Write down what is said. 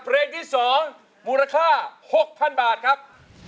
เพลงที่๒มูลค่า๖๐๐๐บาทครับ